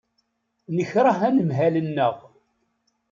Nekṛeh anemhal-nneɣ.